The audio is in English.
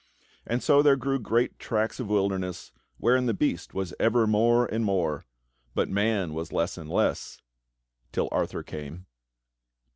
And so there grew great tracts of wilderness. Wherein the beast was ever more and more. But man was less and less, till Arthur came."